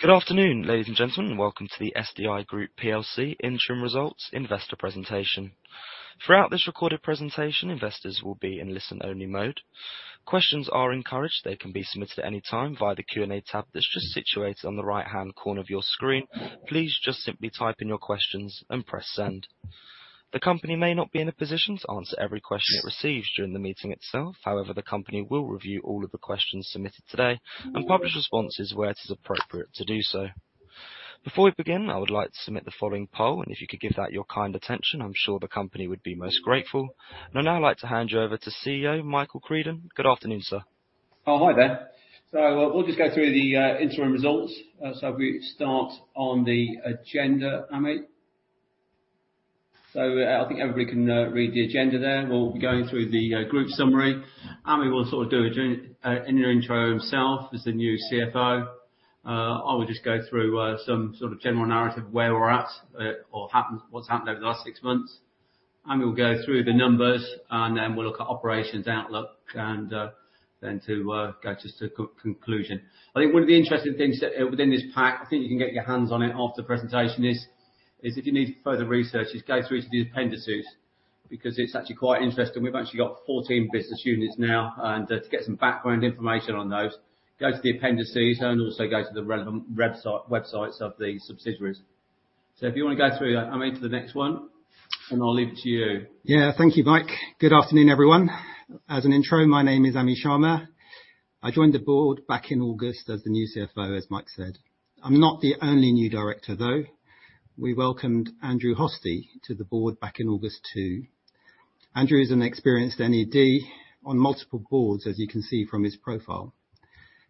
Good afternoon, ladies and gentlemen. Welcome to the SDI Group PLC Interim Results Investor Presentation. Throughout this recorded presentation, investors will be in listen-only mode. Questions are encouraged. They can be submitted at any time via the Q&A tab that's just situated on the right-hand corner of your screen. Please just simply type in your questions and press send. The company may not be in a position to answer every question it receives during the meeting itself. However, the company will review all of the questions submitted today and publish responses where it is appropriate to do so. Before we begin, I would like to submit the following poll, and if you could give that your kind attention, I'm sure the company would be most grateful. I'd now like to hand you over to CEO Mike Creedon. Good afternoon, sir. Hi there. We'll just go through the interim results. If we start on the agenda, Amit. I think everybody can read the agenda there. We'll be going through the group summary. Amit will sort of do an intro himself as the new CFO. I will just go through some sort of general narrative, where we're at, or what's happened over the last 6 months. Amit will go through the numbers. We'll look at operations outlook and go just to conclusion. I think one of the interesting things that within this pack, I think you can get your hands on it after the presentation is if you need further research, is go through to the appendices because it's actually quite interesting. We've actually got 14 business units now and, to get some background information on those, go to the appendices and also go to the relevant websites of the subsidiaries. If you wanna go through that, Amit, to the next one, and I'll leave it to you. Yeah. Thank you, Mike. Good afternoon, everyone. As an intro, my name is Amit Sharma. I joined the board back in August as the new CFO, as Mike said. I'm not the only new director though. We welcomed Andrew Hosty to the board back in August too. Andrew is an experienced NED on multiple boards, as you can see from his profile.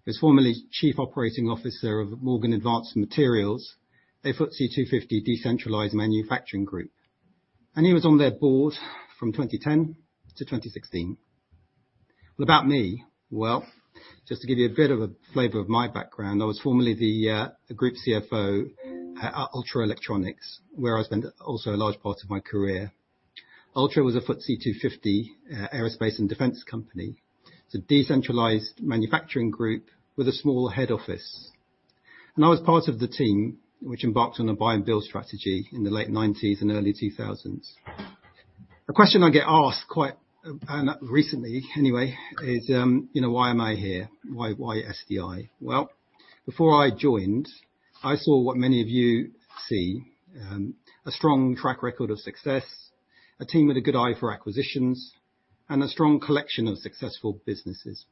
He's formerly Chief Operating Officer of Morgan Advanced Materials, a FTSE 250 decentralized manufacturing group. He was on their board from 2010 to 2016. What about me? Well, just to give you a bit of a flavor of my background, I was formerly the group CFO at Ultra Electronics, where I spent also a large part of my career. Ultra was a FTSE 250 aerospace and defense company. It's a decentralized manufacturing group with a small head office. I was part of the team which embarked on a buy and build strategy in the late 1990s and early 2000s. A question I get asked quite recently anyway, is, you know, why am I here? Why, why SDI? Well, before I joined, I saw what many of you see, a strong track record of success, a team with a good eye for acquisitions, and a strong collection of successful businesses.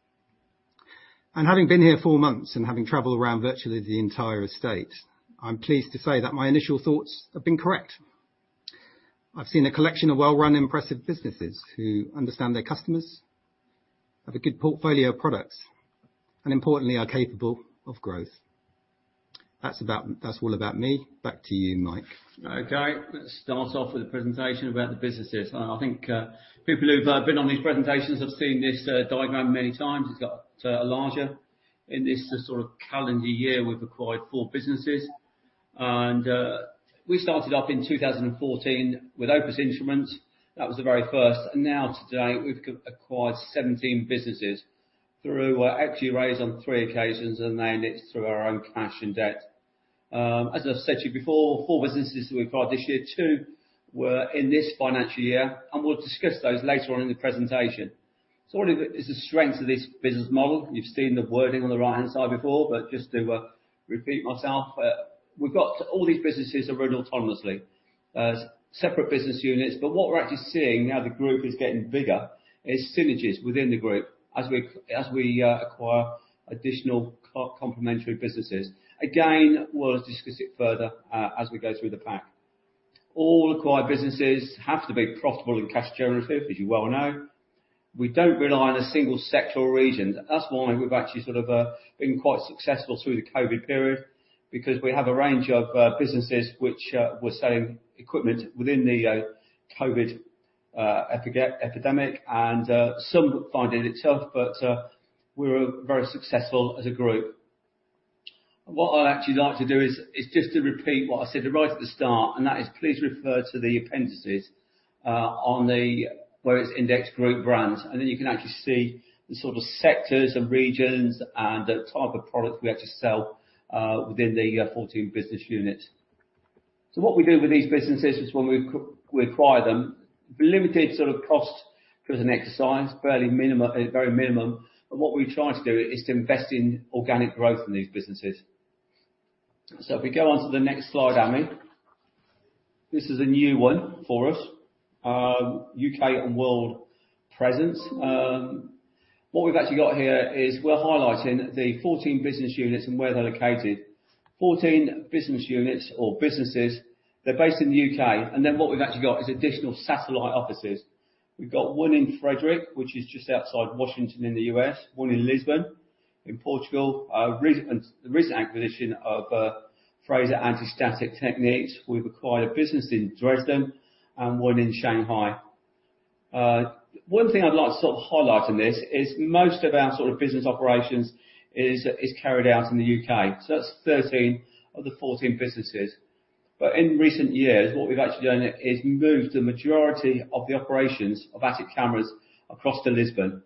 Having been here 4 months and having traveled around virtually the entire estate, I'm pleased to say that my initial thoughts have been correct. I've seen a collection of well-run, impressive businesses who understand their customers, have a good portfolio of products, and importantly, are capable of growth. That's all about me. Back to you, Mike. Okay. Let's start off with a presentation about the businesses. I think people who've been on these presentations have seen this diagram many times. It's got larger. In this sort of calendar year, we've acquired 4 businesses. We started off in 2014 with Opus Instruments. That was the very first. Now today, we've acquired 17 businesses through equity raise on 3 occasions, and then it's through our own cash and debt. As I've said to you before, 4 businesses that we acquired this year, 2 were in this financial year, and we'll discuss those later on in the presentation. One of the, is the strength of this business model. You've seen the wording on the right-hand side before, but just to repeat myself, we've got all these businesses are run autonomously as separate business units. What we're actually seeing now the group is getting bigger, is synergies within the group as we acquire additional complementary businesses. We'll discuss it further as we go through the pack. All acquired businesses have to be profitable and cash generative, as you well know. We don't rely on a single sector or region. That's why we've actually sort of been quite successful through the COVID period because we have a range of businesses which were selling equipment within the COVID epidemic and some found it itself, but we're very successful as a group. What I'd actually like to do is just to repeat what I said right at the start, that is please refer to the appendices on the where it's indexed Group brands. Then you can actually see the sort of sectors and regions and the type of products we actually sell within the 14 business units. What we do with these businesses is when we acquire them, limited sort of cost as an exercise, fairly very minimum. What we try to do is to invest in organic growth in these businesses. If we go on to the next slide, Amit. This is a new one for us, U.K. and world presence. What we've actually got here is we're highlighting the 14 business units and where they're located. 14 business units or businesses, they're based in the U.K. What we've actually got is additional satellite offices. We've got one in Frederick, which is just outside Washington in the U.S., one in Lisbon, in Portugal. The recent acquisition of Fraser Anti-Static Techniques, we've acquired a business in Dresden and one in Shanghai. One thing I'd like to sort of highlight in this is most of our sort of business operations is carried out in the U.K. That's 13 of the 14 businesses. In recent years, what we've actually done is moved the majority of the operations of Atik Cameras across to Lisbon.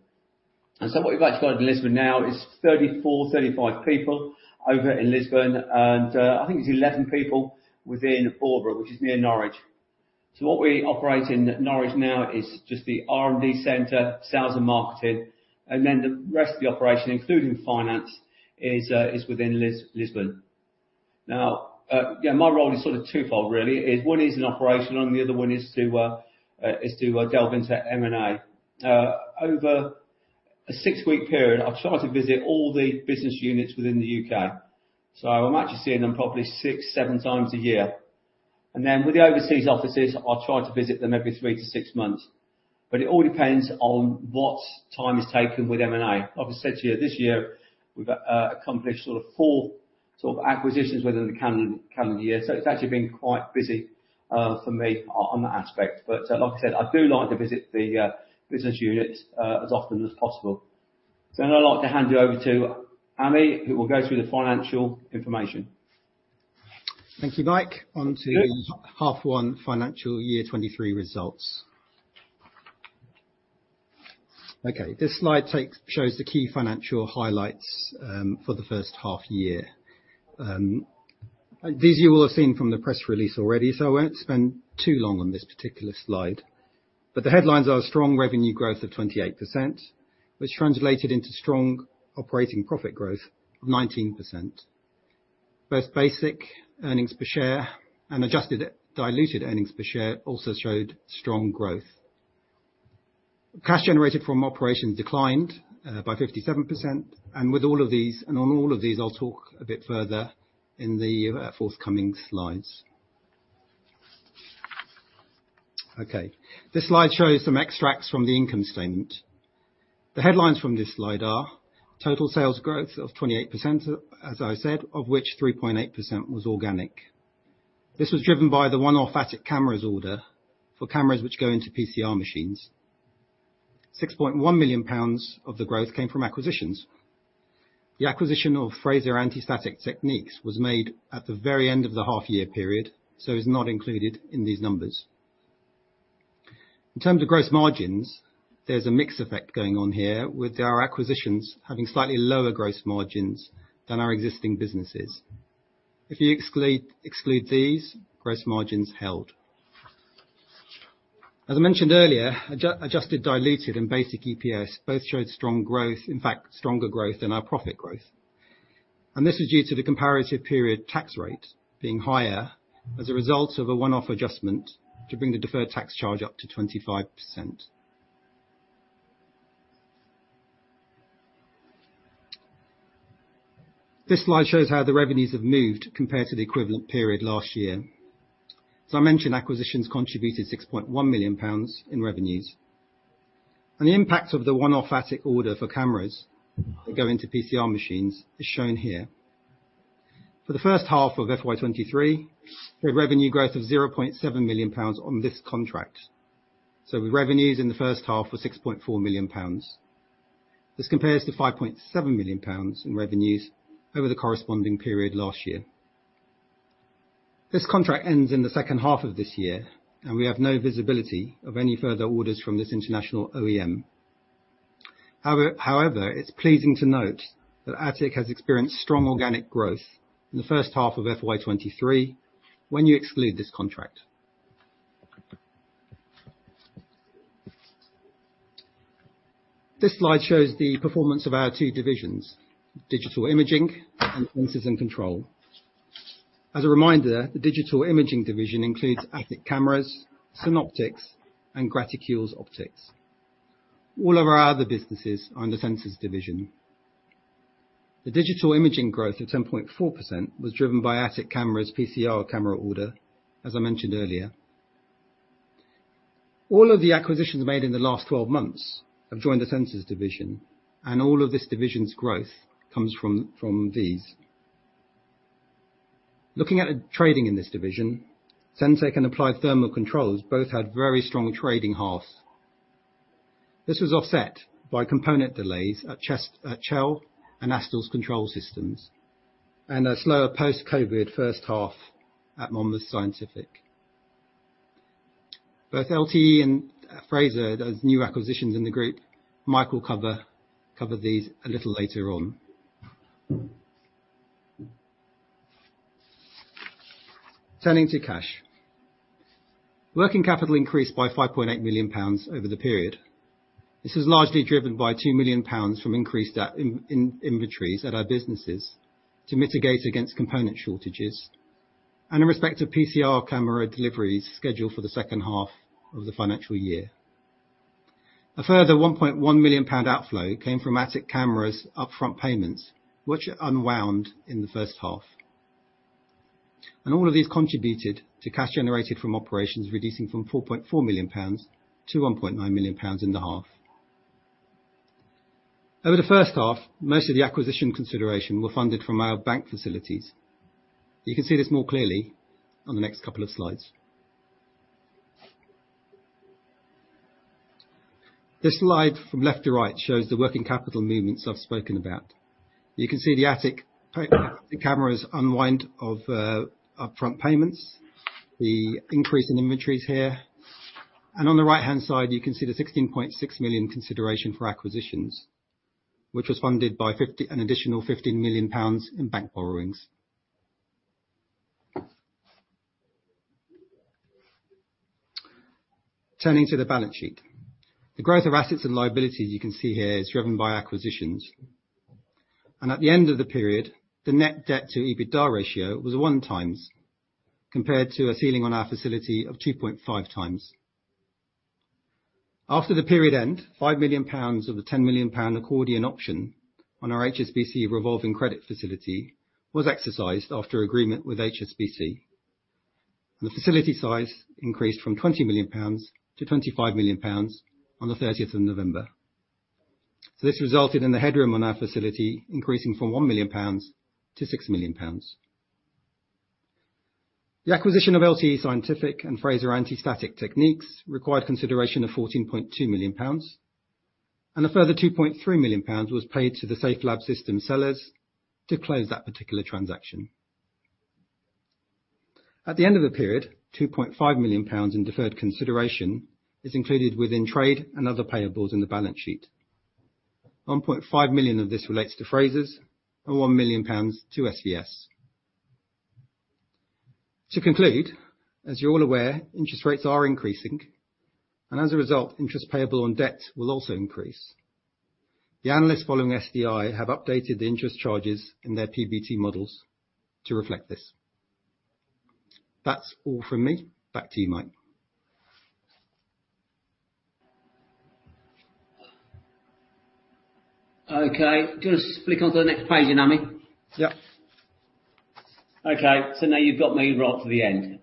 What we've actually got in Lisbon now is 34, 35 people over in Lisbon. I think it's 11 people within Aldeburgh, which is near Norwich. What we operate in Norwich now is just the R&D center, sales and marketing, and then the rest of the operation, including finance, is within Lisbon. Yeah, my role is sort of twofold, really, is one is an operation and the other one is to delve into M&A. Over a 6-week period, I've tried to visit all the business units within the UK. I'm actually seeing them probably 6, 7 times a year. With the overseas offices, I'll try to visit them every 3 to 6 months. It all depends on what time is taken with M&A. I said to you, this year, we've accomplished sort of 4 sort of acquisitions within the calendar year, so it's actually been quite busy for me on that aspect. Like I said, I do like to visit the business units as often as possible. I'd now like to hand you over to Amit, who will go through the financial information. Thank you, Mike. Yes... half one financial year 2023 results. Okay, this slide shows the key financial highlights for the first half year. These you will have seen from the press release already, so I won't spend too long on this particular slide. The headlines are a strong revenue growth of 28%, which translated into strong operating profit growth of 19%. Both basic earnings per share and adjusted diluted earnings per share also showed strong growth. Cash generated from operations declined by 57%. On all of these, I'll talk a bit further in the forthcoming slides. Okay. This slide shows some extracts from the income statement. The headlines from this slide are total sales growth of 28%, as I said, of which 3.8% was organic. This was driven by the one-off Atik Cameras order for cameras which go into PCR machines. 6.1 million pounds of the growth came from acquisitions. The acquisition of Fraser Anti-Static Techniques was made at the very end of the half year period, is not included in these numbers. In terms of gross margins, there's a mix effect going on here with our acquisitions having slightly lower gross margins than our existing businesses. If you exclude these, gross margins held. As I mentioned earlier, adjusted, diluted, and basic EPS both showed strong growth, in fact, stronger growth than our profit growth. This was due to the comparative period tax rate being higher as a result of a one-off adjustment to bring the deferred tax charge up to 25%. This slide shows how the revenues have moved compared to the equivalent period last year. As I mentioned, acquisitions contributed 6.1 million pounds in revenues. The impact of the one-off Atik order for cameras that go into PCR machines is shown here. For the first half of FY 2023, we had revenue growth of 0.7 million pounds on this contract. The revenues in the first half were 6.4 million pounds. This compares to 5.7 million pounds in revenues over the corresponding period last year. This contract ends in the second half of this year, and we have no visibility of any further orders from this international OEM. However, it's pleasing to note that Atik has experienced strong organic growth in the first half of FY 2023 when you exclude this contract. This slide shows the performance of our two divisions, Digital Imaging and Sensors and Control. As a reminder, the Digital Imaging division includes Atik Cameras, Synoptics, and Graticules Optics. All of our other businesses are under Sensors division. The Digital Imaging growth of 10.4% was driven by Atik Cameras, PCR camera order, as I mentioned earlier. All of the acquisitions made in the last 12 months have joined the Sensors division, all of this division's growth comes from these. Looking at the trading in this division, Sentek and Applied Thermal Control both had very strong trading halves. This was offset by component delays at Chell and Astles Control Systems, a slower post-COVID first half at Monmouth Scientific. Both LTE and Fraser, those new acquisitions in the group, Mike will cover these a little later on. Turning to cash. Working capital increased by 5.8 million pounds over the period. This is largely driven by 2 million pounds from increased inventories at our businesses to mitigate against component shortages and in respect of PCR camera deliveries scheduled for the second half of the financial year. A further 1.1 million pound outflow came from Atik Cameras upfront payments, which unwound in the first half. All of these contributed to cash generated from operations reducing from 4.4 million pounds to 1.9 million pounds in the half. Over the first half, most of the acquisition consideration were funded from our bank facilities. You can see this more clearly on the next couple of slides. This slide from left to right shows the working capital movements I've spoken about. You can see the Atik Cameras unwind of upfront payments, the increase in inventories here. On the right-hand side, you can see the 16.6 million consideration for acquisitions, which was funded by an additional 15 million pounds in bank borrowings. Turning to the balance sheet. The growth of assets and liabilities you can see here is driven by acquisitions. At the end of the period, the net debt to EBITDA ratio was 1x, compared to a ceiling on our facility of 2.5x. After the period end, 5 million pounds of the 10 million pound accordion option on our HSBC revolving credit facility was exercised after agreement with HSBC. The facility size increased from 20 million pounds to 25 million pounds on the 30th of November. This resulted in the headroom on our facility increasing from 1 million pounds to 6 million pounds. The acquisition of LTE Scientific and Fraser Anti-Static Techniques required consideration of 14.2 million pounds, a further 2.3 million pounds was paid to the Safelab Systems sellers to close that particular transaction. At the end of the period, 2.5 million pounds in deferred consideration is included within trade and other payables in the balance sheet. 1.5 million of this relates to Fraser's and 1 million pounds to SVS. To conclude, as you're all aware, interest rates are increasing, as a result, interest payable on debt will also increase. The analysts following SDI have updated the interest charges in their PBT models to reflect this. That's all from me. Back to you, Mike. Okay. Do you wanna just flick onto the next page then, Amit? Yep. Okay. Now you've got me right to the end.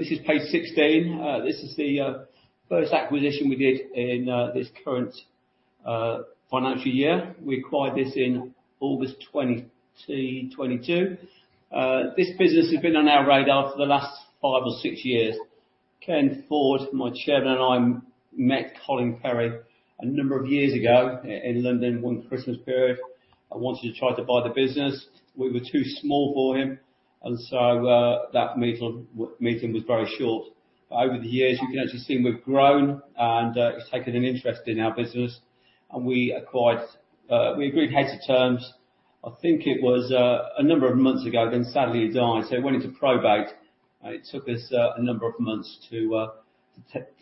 This is page 16. This is the first acquisition we did in this current financial year. We acquired this in August 2022. This business has been on our radar for the last 5 or 6 years. Ken Forde, my Chairman, and I met Colin Perry a number of years ago in London one Christmas period, and wanted to try to buy the business. We were too small for him, and so that meeting was very short. Over the years, you can actually see we've grown and he's taken an interest in our business, and we acquired, we agreed head to terms, I think it was a number of months ago, then sadly he died. It went into probate. It took us a number of months to get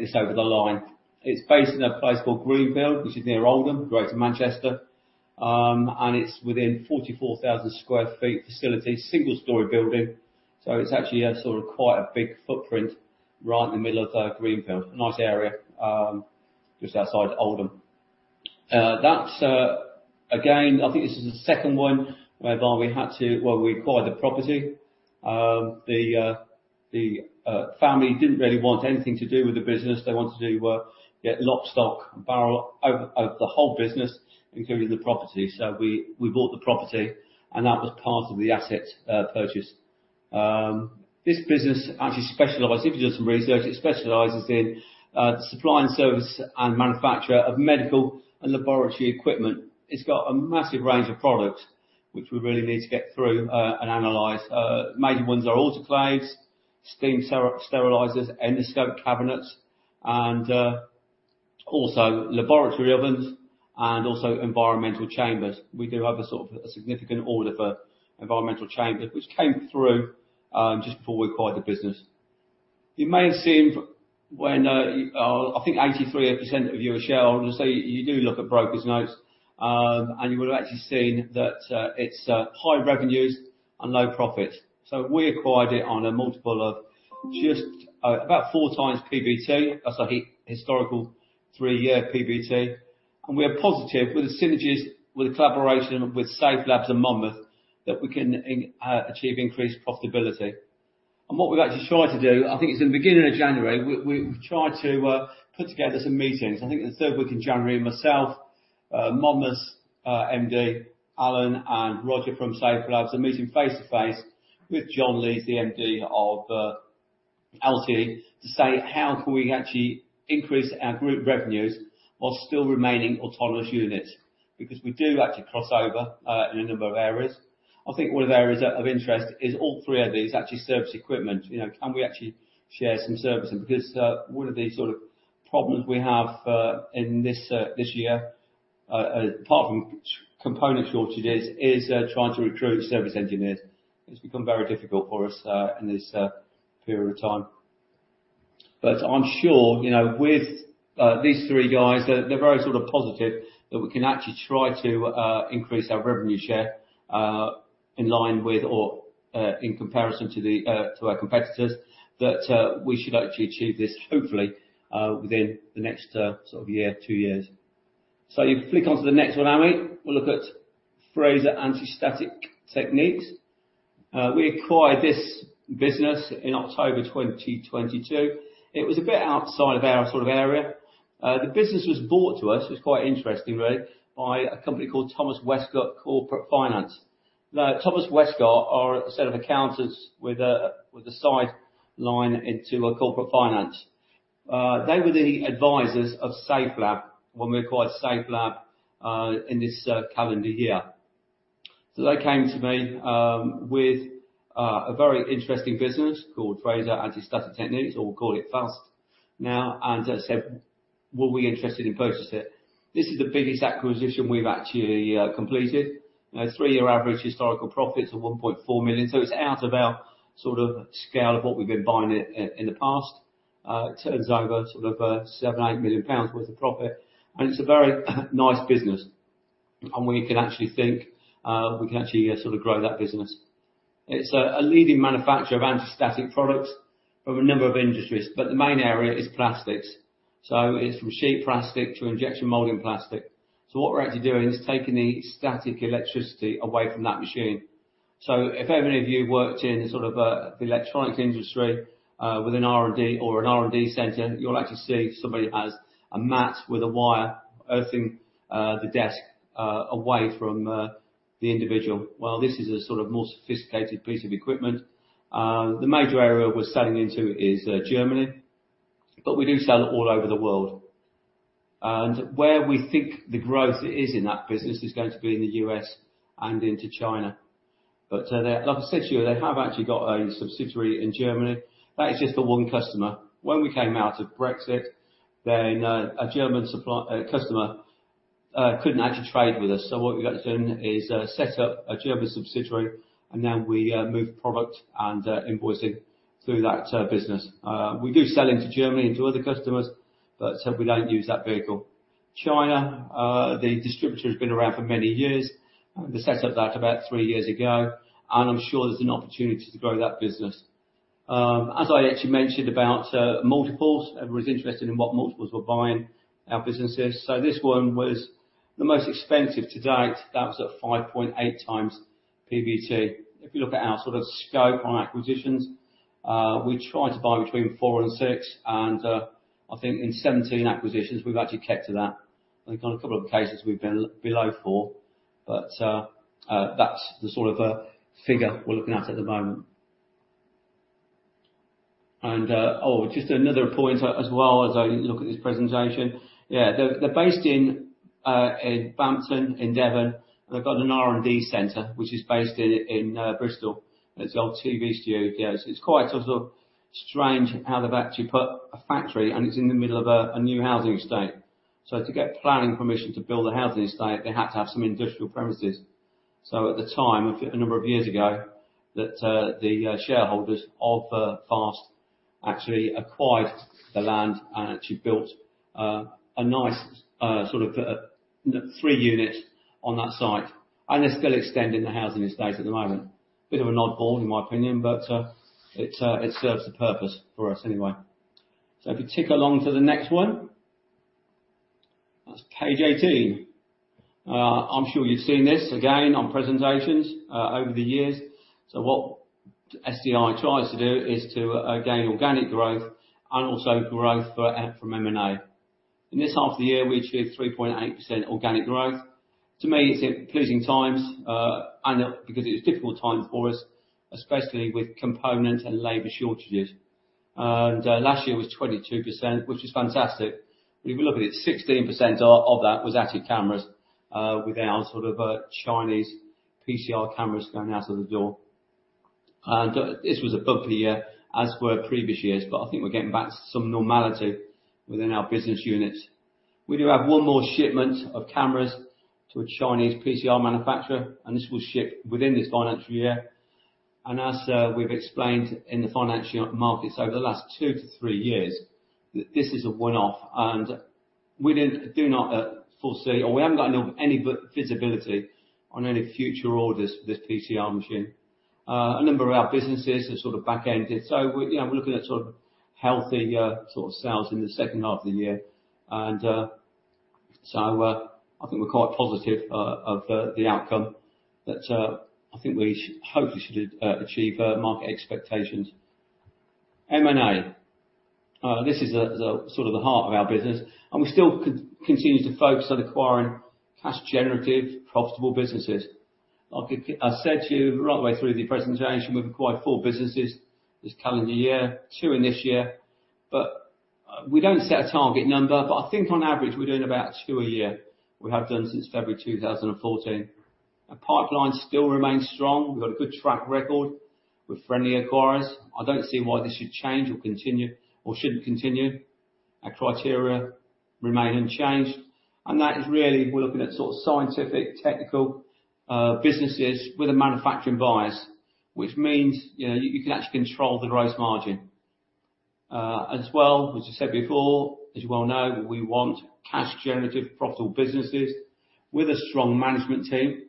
this over the line. It's based in a place called Greenfield, which is near Oldham, Greater Manchester, and it's within 44,000 sq ft facility, single-story building. It's actually a sort of quite a big footprint right in the middle of Greenfield. Nice area, just outside Oldham. That's again, I think this is the second one whereby we had to. Well, we acquired the property. The family didn't really want anything to do with the business. They wanted to get lock, stock, and barrel of the whole business, including the property. We bought the property, and that was part of the asset purchase. This business actually specializes, if you do some research, it specializes in the supply and service and manufacture of medical and laboratory equipment. It's got a massive range of products which we really need to get through and analyze. The main ones are autoclaves, steam sterilizers, endoscope cabinets, and also laboratory ovens, and also environmental chambers. We do have a sort of a significant order for environmental chambers, which came through just before we acquired the business. You may have seen when I think 83% of you are shareholders, you do look at brokers notes, and you would have actually seen that it's high revenues and low profit. We acquired it on a multiple of just about 4 times PBT. That's a historical 3-year PBT. We are positive with the synergies, with the collaboration with Safe Labs and Monmouth, that we can achieve increased profitability. What we've actually tried to do, I think it's in the beginning of January. We tried to put together some meetings. I think in the third week in January, myself, Monmouth's MD, Alan, and Roger from Safe Labs are meeting face-to-face with John Lees, the MD of LTE, to say, how can we actually increase our group revenues while still remaining autonomous units? We do actually cross over in a number of areas. I think one of the areas of interest is all three of these actually service equipment. You know, can we actually share some services? One of the sorts of problems we have in this this year, apart from component shortages, is trying to recruit service engineers. It's become very difficult for us in this period of time. I'm sure, you know, with these 3 guys, they're very sort of positive that we can actually try to increase our revenue share in line with or in comparison to the to our competitors, that we should actually achieve this hopefully within the next sort of year, 2 years. If you flick onto the next 1, Amit. We'll look at Fraser Anti-Static Techniques. We acquired this business in October 2022. It was a bit outside of our sort of area. The business was brought to us, it was quite interesting really, by a company called Westcotts Corporate Finance. Westcotts are a set of accountants with a side line into corporate finance. They were the advisors of Safelab when we acquired Safelab in this calendar year. They came to me with a very interesting business called Fraser Anti-Static Techniques, or we call it FAST now, and they said, "Were we interested in purchasing it?" This is the biggest acquisition we've actually completed. You know, three-year average historical profits of 1.4 million. It's out of our sort of scale of what we've been buying in the past. It turns over sort of 7 million, 8 million pounds worth of profit, and it's a very nice business and we can actually think we can actually sort of grow that business. It's a leading manufacturer of anti-static products for a number of industries, but the main area is plastics. It's from sheet plastic to injection molding plastic. What we're actually doing is taking the static electricity away from that machine. If ever any of you worked in sort of the electronics industry with an R&D or an R&D center, you'll actually see somebody has a mat with a wire earthing the desk away from the individual. This is a sort of more sophisticated piece of equipment. The major area we're selling into is Germany, but we do sell all over the world. Where we think the growth is in that business is going to be in the U.S. and into China. Like I said to you, they have actually got a subsidiary in Germany. That is just for one customer. When we came out of Brexit, then, a German customer couldn't actually trade with us. What we had to do is, set up a German subsidiary, and then we moved product and invoicing through that business. We do sell into Germany, into other customers, but so we don't use that vehicle. China, the distributor has been around for many years. They set up that about three years ago, and I'm sure there's an opportunity to grow that business. As I actually mentioned about multiples, everyone's interested in what multiples we're buying our businesses. This one was the most expensive to date. That was at 5.8 times PBT. If you look at our sort of scope on acquisitions, we try to buy between 4 and 6, and I think in 17 acquisitions, we've actually kept to that. I think on a couple of cases we've been below 4, but that's the sort of figure we're looking at at the moment. Just another point as well as I look at this presentation. They're based in Bampton, in Devon, and they've got an R&D center which is based in Bristol. It's your old TV studio. It's quite sort of strange how they've actually put a factory, and it's in the middle of a new housing estate. To get planning permission to build a housing estate, they had to have some industrial premises. At the time, a number of years ago, that the shareholders of FAST actually acquired the land and actually built a nice sort of 3 units on that site, and they're still extending the housing estate at the moment. Bit of an oddball in my opinion, but it serves a purpose for us anyway. If you tick along to the next one. That's page 18. I'm sure you've seen this again on presentations over the years. What SDI tries to do is to gain organic growth and also growth from M&A. In this half of the year, we achieved 3.8% organic growth. To me, it's including times, because it was difficult time for us, especially with component and labor shortages. Last year was 22%, which was fantastic. If you look at it, 16% of that was actually cameras, with our sort of, Chinese PCR cameras going out of the door. This was a bumpy year, as were previous years, but I think we're getting back to some normality within our business units. We do have one more shipment of cameras to a Chinese PCR manufacturer, and this will ship within this financial year. As we've explained in the financial markets over the last 2-3 years, that this is a one-off and we do not foresee or we haven't gotten any visibility on any future orders for this PCR machine. A number of our businesses are sort of back ended. We're, you know, looking at sort of healthy, sort of sales in the second half of the year. I think we're quite positive of the outcome, but I think we hopefully should achieve market expectations. M&A. This is the sort of the heart of our business, and we still continue to focus on acquiring cash generative, profitable businesses. Like I said to you right the way through the presentation, we've acquired four businesses this calendar year, two in this year. We don't set a target number, but I think on average, we're doing about two a year. We have done since February 2014. Our pipeline still remains strong. We've got a good track record. We're friendly acquirers. I don't see why this should change or continue or shouldn't continue. Our criteria remain unchanged. That is really, we're looking at sort of scientific, technical businesses with a manufacturing bias, which means, you know, you can actually control the gross margin. As well, as I said before, as you well know, we want cash generative, profitable businesses with a strong management team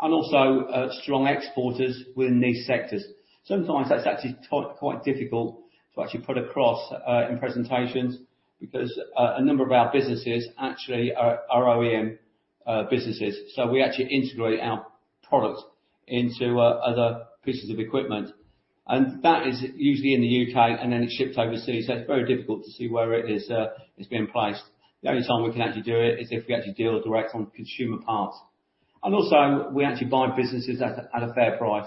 and also strong exporters within these sectors. Sometimes that's actually quite difficult to actually put across in presentations because a number of our businesses actually are OEM businesses. We actually integrate our product into other pieces of equipment. And that is usually in the UK and then it's shipped overseas, so it's very difficult to see where it is being placed. The only time we can actually do it is if we actually deal direct on consumer parts. Also, we actually buy businesses at a fair price.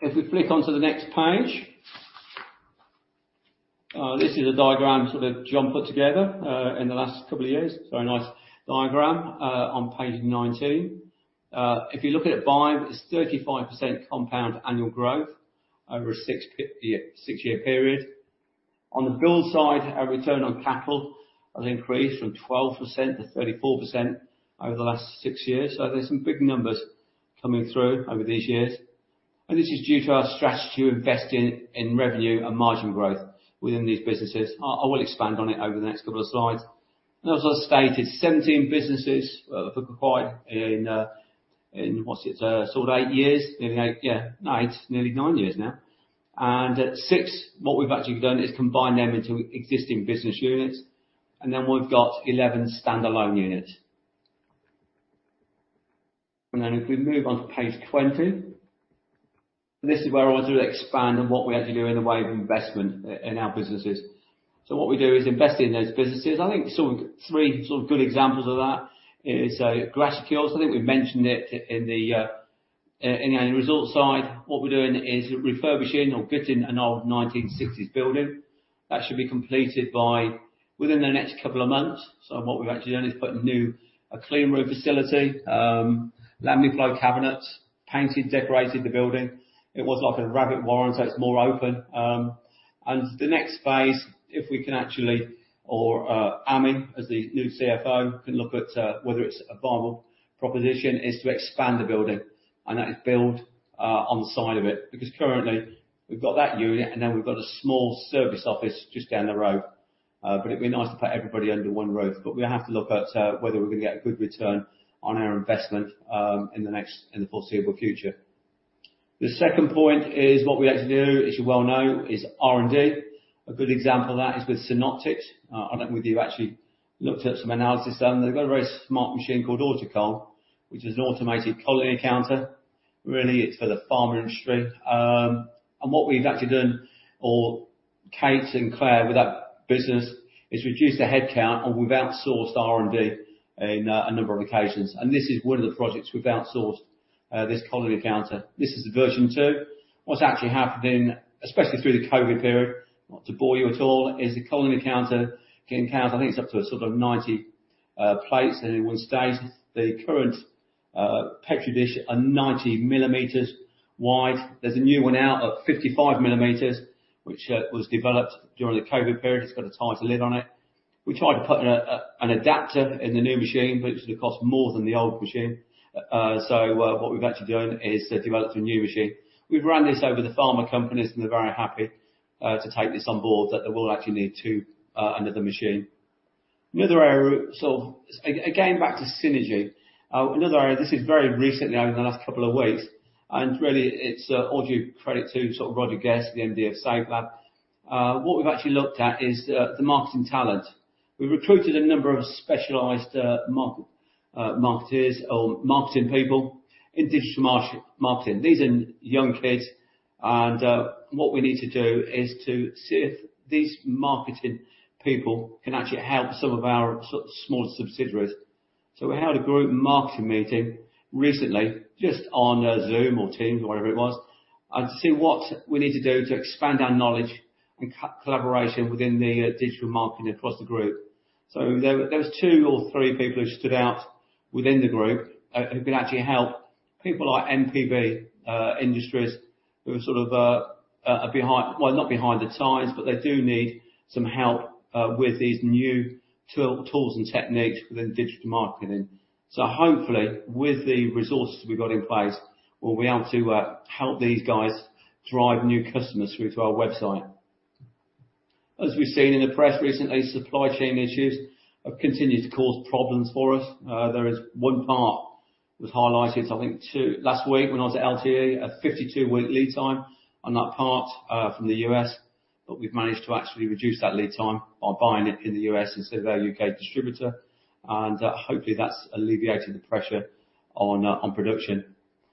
If we flick onto the next page. This is a diagram sort of John put together in the last couple of years. Very nice diagram on page 19. If you look at it by, it's 35% compound annual growth over a six-year period. On the bill side, our return on capital has increased from 12% to 34% over the last six years. There are some big numbers coming through over these years. This is due to our strategy to invest in revenue and margin growth within these businesses. I will expand on it over the next couple of slides. As I stated, 17 businesses, acquired in, what is it? Sort of 8 years. Nearly 8, yeah. Nearly 9 years now. At 6, what we've actually done is combine them into existing business units, and then we've got 11 standalone units. If we move on to page 20, this is where I want to expand on what we had to do in the way of investment in our businesses. What we do is invest in those businesses. I think sort of 3 sort of good examples of that is Graticules. I think we've mentioned it in the results side. What we're doing is refurbishing or getting an old 1960s building. That should be completed by within the next couple of months. What we've actually done is put a new, a clean room facility, laminar flow cabinets, painted, decorated the building. It was like a rabbit warren, so it's more open. The next phase, if we can actually or Amit, as the new CFO, can look at whether it's a viable proposition, is to expand the building, and that is built on the side of it. Because currently we've got that unit, and then we've got a small service office just down the road. It'd be nice to put everybody under one roof. We have to look at whether we're gonna get a good return on our investment in the foreseeable future. The second point is what we like to do, as you well know, is R&D. A good example of that is with Synoptics. I don't know whether you've actually looked at some analysis done. They've got a very smart machine called AutoCOL, which is an automated colony counter. Really, it's for the pharma industry. What we've actually done or Kate and Claire with that business, is reduced the headcount, and we've outsourced R&D in a number of occasions. This is one of the projects we've outsourced, this colony counter. This is the version 2. What's actually happened in, especially through the COVID period, not to bore you at all, is the colony counter can count, I think it's up to sort of 90 plates in one stage. The current Petri dish are 90 millimeters wide. There's a new one out of 55 millimeters, which was developed during the COVID period. It's got a tighter lid on it. We tried putting an adapter in the new machine. It's gonna cost more than the old machine. What we've actually done is developed a new machine. We've ran this over the pharma companies, and they're very happy to take this on board, that they will actually need two another machine. Another area, sort of, again, back to synergy. Another area, this is very recently over the last couple of weeks, and really it's all due credit to sort of Roger Guest, the MD of Safelab. What we've actually looked at is the marketing talent. We recruited a number of specialized marketers or marketing people in digital marketing. These are young kids, and what we need to do is to see if these marketing people can actually help some of our sort of small subsidiaries. We had a group marketing meeting recently just on Zoom or Teams or whatever it was, to see what we need to do to expand our knowledge and co-collaboration within the digital marketing across the group. There was 2 or 3 people who stood out within the group who can actually help people like MPB Industries, who are sort of behind. Well, not behind the times, but they do need some help with these new tools and techniques within digital marketing. Hopefully, with the resources we've got in place, we'll be able to help these guys drive new customers through to our website. As we've seen in the press recently, supply chain issues have continued to cause problems for us. There is 1 part was highlighted, I think 2... Last week when I was at LTE, a 52-week lead time on that part from the U.S., but we've managed to actually reduce that lead time by buying it in the U.S. instead of our U.K. distributor. Hopefully, that's alleviating the pressure on production.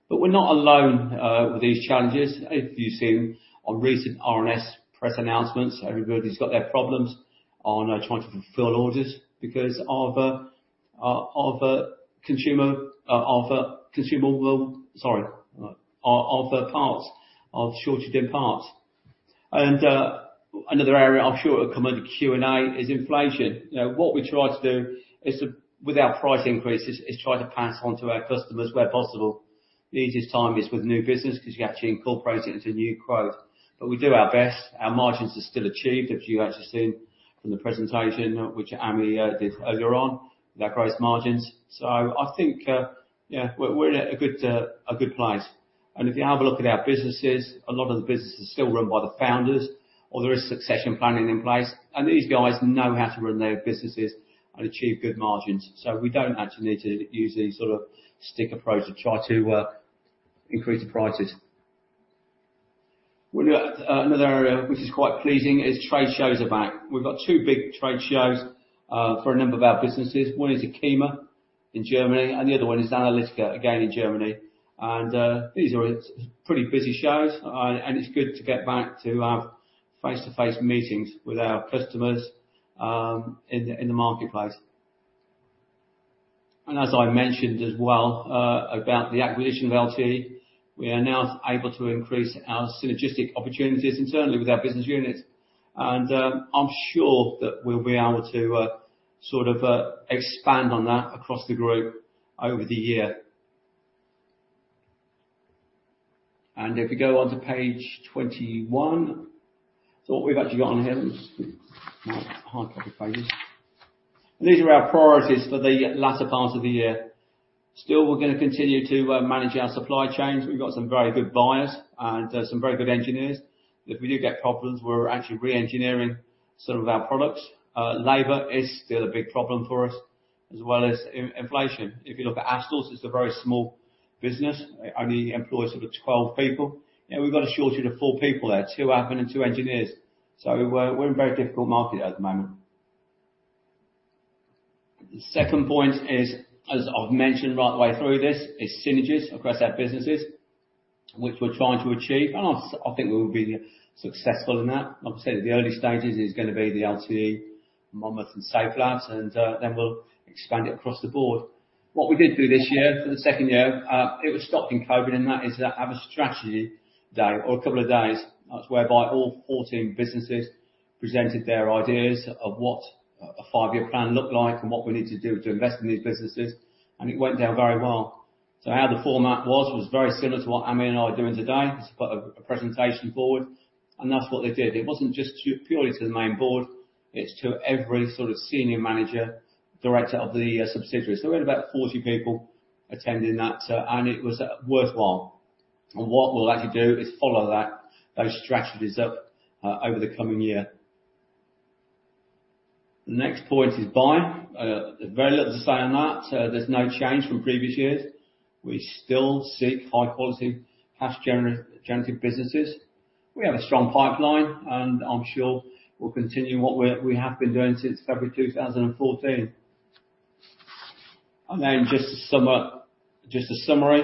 We're not alone with these challenges. If you've seen on recent RNS press announcements, everybody's got their problems on trying to fulfill orders because of a consumable, sorry, of parts, shortage in parts. Another area I'm sure will come under Q&A is inflation. You know, what we try to do with our price increases, is try to pass on to our customers where possible. The easiest time is with new business 'cause you actually incorporate it into new growth. We do our best. Our margins are still achieved, if you actually seen from the presentation, which Amit did earlier on, with our gross margins. I think, yeah, we're in a good, a good place. If you have a look at our businesses, a lot of the business is still run by the founders or there is succession planning in place, and these guys know how to run their businesses and achieve good margins. We don't actually need to use these sorts of stick approaches to try to increase the prices. We've got another area which is quite pleasing, is trade shows are back. We've got 2 big trade shows for a number of our businesses. One is ACHEMA in Germany, and the other one is Analytica, again, in Germany. These are its pretty busy shows. It's good to get back to our face-to-face meetings with our customers in the marketplace. As I mentioned as well about the acquisition of LTE, we are now able to increase our synergistic opportunities internally with our business units. I'm sure that we'll be able to sort of expand on that across the group over the year. If you go on to page 21. What we've actually got on here, let me see. My hard copy pages. These are our priorities for the latter part of the year. Still, we're gonna continue to manage our supply chains. We've got some very good buyers and some very good engineers. If we do get problems, we're actually re-engineering some of our products. Labor is still a big problem for us, as well as in-inflation. If you look at Astles, it's a very small business, it only employs sort of 12 people. We've got a shortage of 4 people there, 2 admin and 2 engineers. We're in a very difficult market at the moment. The second point is, as I've mentioned right the way through this, is synergies across our businesses, which we're trying to achieve, and I think we will be successful in that. Like I said, the early stages is gonna be the LTE, Monmouth, and Safelabs. Then we'll expand it across the board. What we did do this year for the second year, it was stopping COVID, and that is to have a strategy day or a couple of days, that's whereby all 14 businesses presented their ideas of what a 5-year plan looked like and what we need to do to invest in these businesses. It went down very well. How the format was very similar to what Amit and I are doing today, just put a presentation forward. That's what they did. It wasn't just purely to the main board, it's to every sort of senior manager, director of the subsidiaries. There were about 40 people attending that, and it was worthwhile. What we'll actually do is follow that, those strategies up, over the coming year. The next point is bought. Very little to say on that. There's no change from previous years. We still seek high quality cash generative businesses. We have a strong pipeline. I'm sure we'll continue what we have been doing since February 2014. Just to sum up, just a summary.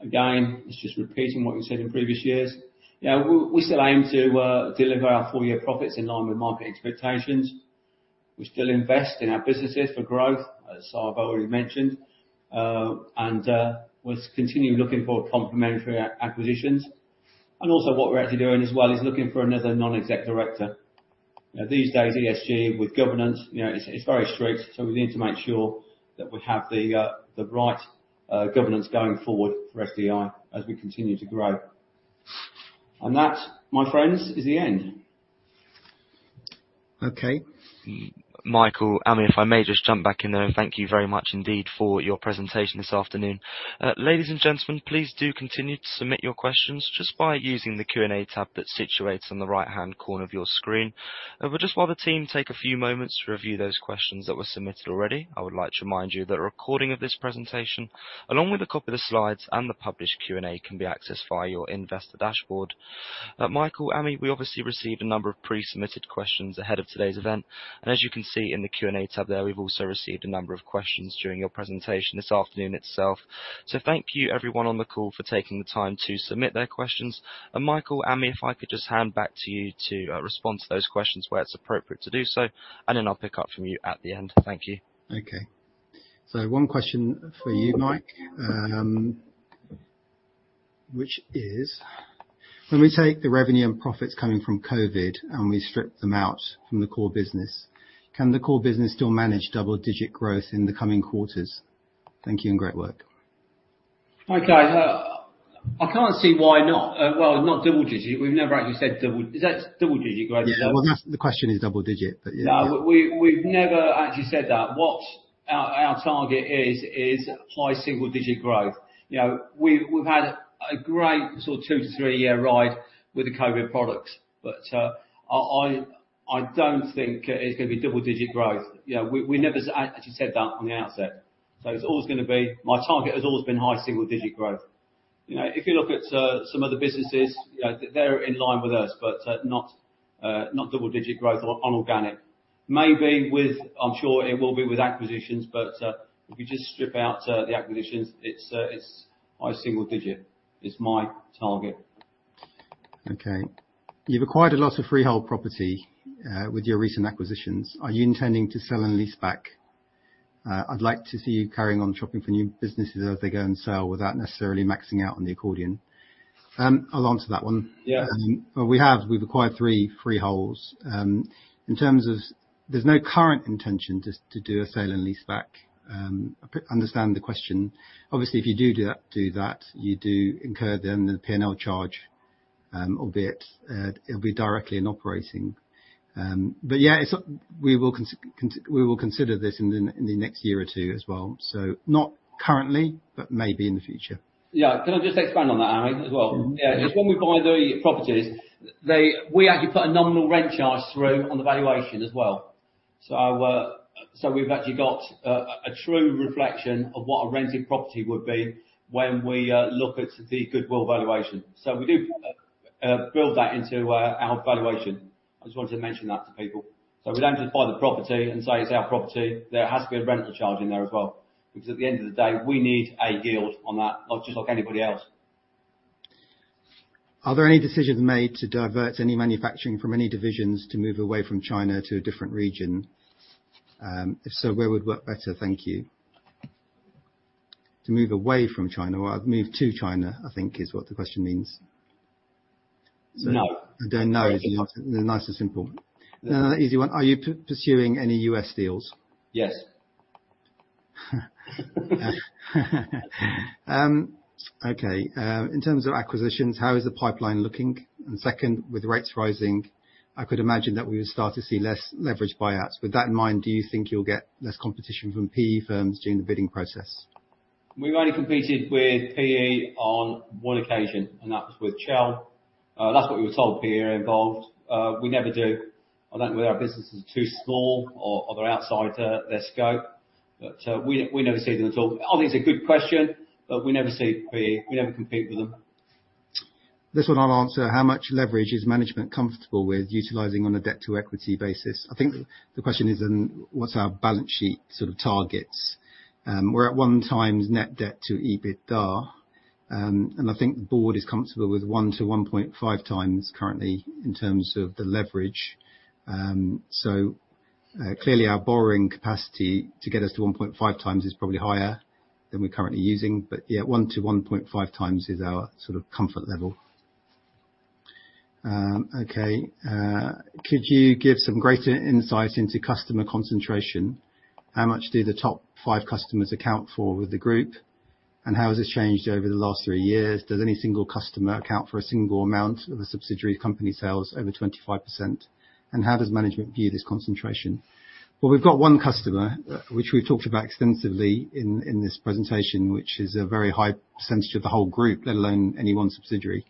Again, it's just repeating what we've said in previous years. You know, we still aim to deliver our full year profits in line with market expectations. We still invest in our businesses for growth, as I've already mentioned. We're continue looking for complementary acquisitions. Also what we're actually doing as well is looking for another Non-Executive Director. You know, these days, ESG with governance, you know, it's very strict. We need to make sure that we have the right governance going forward for SDI as we continue to grow. That, my friends, is the end. Okay. Michael, Amit, if I may just jump back in there. Thank you very much indeed for your presentation this afternoon. Ladies and gentlemen, please do continue to submit your questions just by using the Q&A tab that's situated on the right-hand corner of your screen. Just while the team take a few moments to review those questions that were submitted already, I would like to remind you that a recording of this presentation, along with a copy of the slides and the published Q&A, can be accessed via your investor dashboard. Michael, Amit, we obviously received a number of pre-submitted questions ahead of today's event. As you can see in the Q&A tab there, we've also received a number of questions during your presentation this afternoon itself. Thank you everyone on the call for taking the time to submit their questions. Michael, Amit, if I could just hand back to you to respond to those questions where it's appropriate to do so, and then I'll pick up from you at the end. Thank you. One question for you, Mike, which is, when we take the revenue and profits coming from COVID, and we strip them out from the core business, can the core business still manage double-digit growth in the coming quarters? Thank you. Great work. Okay. I can't see why not. Well, not double digit. We've never actually said. Is that double digit growth? Yeah. Well, that's the question, is double digit, but yeah. No, we've never actually said that. What our target is high single-digit growth. You know, we've had a great sort of 2-3 year ride with the COVID products, but I don't think it's gonna be double-digit growth. You know, we never actually said that from the outset. My target has always been high single-digit growth. You know, if you look at some other businesses, you know, they're in line with us, but not double-digit growth on organic. Maybe with... I'm sure it will be with acquisitions, but if you just strip out the acquisitions, it's high single-digit is my target. Okay. You've acquired a lot of freehold property with your recent acquisitions. Are you intending to sell and lease back? I'd like to see you carrying on shopping for new businesses as they go on sale without necessarily maxing out on the accordion. I'll answer that one. Yeah. Well, we have. We've acquired 3 freeholds. In terms of there's no current intention to do a sale and leaseback. I understand the question. Obviously, if you do that, you do incur then the P&L charge, albeit it'll be directly in operating. Yeah, we will consider this in the next year or two as well. Not currently, but maybe in the future. Yeah. Can I just expand on that, Amit, as well? Mm-hmm. Yeah. 'Cause when we buy the properties, We actually put a nominal rent charge through on the valuation as well. We've actually got a true reflection of what a rented property would be when we look at the goodwill valuation. We do build that into our valuation. I just wanted to mention that to people. We don't just buy the property and say it's our property, there has to be a rental charge in there as well because at the end of the day, we need a yield on that just like anybody else. Are there any decisions made to divert any manufacturing from any divisions to move away from China to a different region? If so, where would work better? Thank you. To move away from China or move to China, I think is what the question means. No. I don't know is nice and simple. Easy one. Are you pursuing any U.S. deals? Yes. Okay. In terms of acquisitions, how is the pipeline looking? Second, with rates rising, I could imagine that we would start to see less leverage buyouts. With that in mind, do you think you'll get less competition from PE firms during the bidding process? We've only competed with PE on one occasion, and that was with Chell. That's what we were told, PE were involved. We never do. I don't know whether our business is too small or they're outside their scope, but we never see them at all. Obviously, it's a good question, but we never see PE. We never compete with them. This one I'll answer. How much leverage is management comfortable with utilizing on a debt-to-equity basis? I think the question is, what's our balance sheet sort of targets. We're at 1 times net debt to EBITDA. I think the board is comfortable with 1-1.5 times currently in terms of the leverage. Clearly our borrowing capacity to get us to 1.5 times is probably higher than we're currently using. Yeah, 1-1.5 times is our sort of comfort level. Okay. Could you give some greater insight into customer concentration? How much do the top 5 customers account for with the group? How has this changed over the last 3 years? Does any single customer account for a single amount of a subsidiary company sales over 25%? How does management view this concentration? Well, we've got one customer, which we've talked about extensively in this presentation, which is a very high percentage of the whole group, let alone any one subsidiary,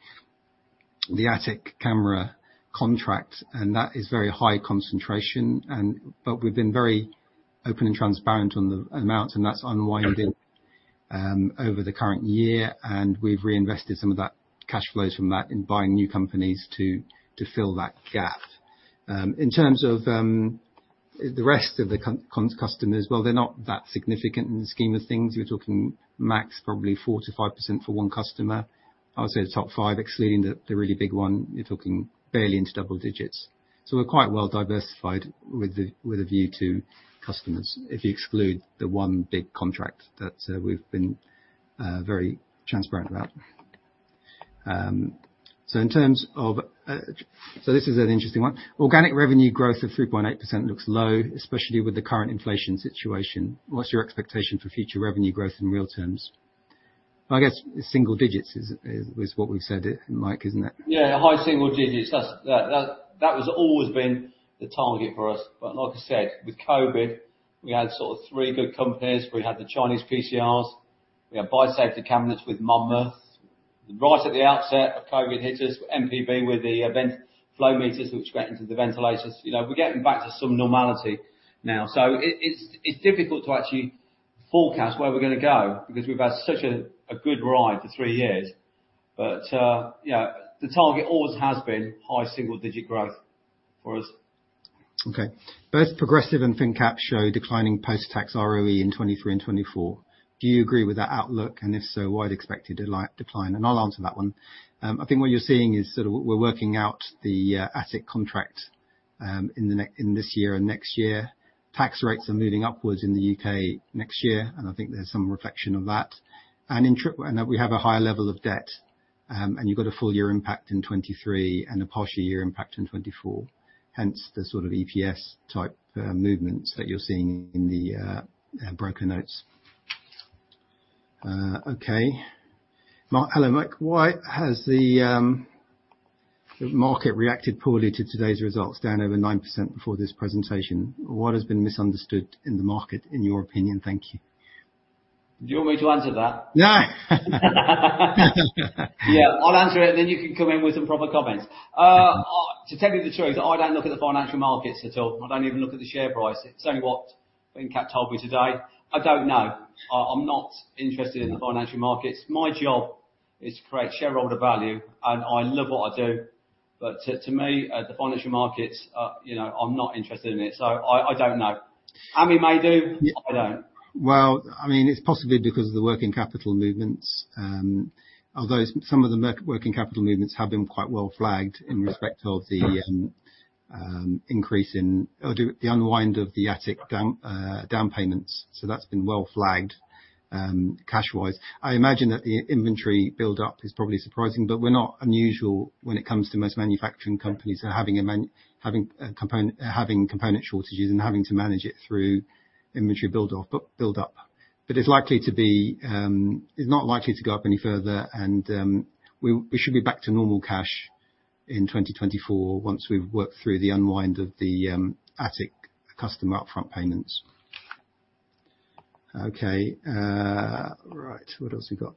the Atik camera contract, and that is very high concentration. We've been very open and transparent on the amounts, and that's unwinding over the current year, and we've reinvested some of that cash flows from that in buying new companies to fill that gap. In terms of the rest of the customers, well, they're not that significant in the scheme of things. You're talking max, probably 4% to 5% for one customer. I would say the top five, excluding the really big one, you're talking barely into double digits. We're quite well diversified with the, with a view to customers, if you exclude the one big contract that we've been very transparent about. In terms of, this is an interesting one. Organic revenue growth of 3.8% looks low, especially with the current inflation situation. What's your expectation for future revenue growth in real terms? I guess single digits is what we've said, Mike, isn't it? Yeah, high single digits. That's always been the target for us. Like I said, with COVID, we had sort of 3 good companies. We had the Chinese PCRs, we had biosafety cabinets with Monmouth. Right at the outset of COVID hit us, MPB with the vent flow meters, which went into the ventilators. You know, we're getting back to some normality now. It's difficult to actually forecast where we're going to go because we've had such a good ride for 3 years. Yeah, the target always has been high single digit growth for us. Okay. Both Progressive and finnCap show declining post-tax ROE in 2023 and 2024. Do you agree with that outlook? If so, why the expected decline? I'll answer that one. I think what you're seeing is sort of we're working out the Atik contract in this year and next year. Tax rates are moving upwards in the U.K. next year. I think there's some reflection of that. That we have a higher level of debt, you've got a full year impact in 2023 and a partial year impact in 2024, hence the sort of EPS type movements that you're seeing in the broker notes. Okay. Hello, Mike. Why has the market reacted poorly to today's results, down over 9% before this presentation? What has been misunderstood in the market, in your opinion? Thank you. Do you want me to answer that? No. Yeah, I'll answer it, then you can come in with some proper comments. To tell you the truth, I don't look at the financial markets at all. I don't even look at the share price. It's only what finnCap told me today. I don't know. I'm not interested in the financial markets. My job is to create shareholder value; I love what I do. To me, the financial markets, you know, I'm not interested in it. I don't know. Amit may do. Yeah. I don't. Well, I mean, it's possibly because of the working capital movements. Although some of the working capital movements have been quite well flagged in respect of the increase in or the unwind of the Atik down payments. That's been well flagged, cash wise. I imagine that the inventory build up is probably surprising, but we're not unusual when it comes to most manufacturing companies having component shortages and having to manage it through inventory build up. It's likely to be, it's not likely to go up any further and we should be back to normal cash in 2024 once we've worked through the unwind of the Atik customer upfront payments. Okay. Right. What else we got?